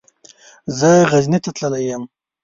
زه غزني ته تللی يم.